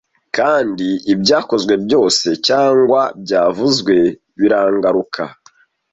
Kandi ibyakozwe byose cyangwa byavuzwe birangaruka.